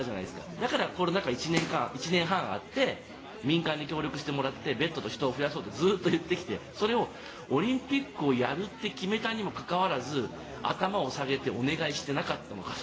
だからコロナ禍が１年半あって民間に協力してもらってベッドと人を増やそうとずっと言ってきてそれをオリンピックをやると決めたにもかかわらず頭を下げてお願いしていなかったのかと。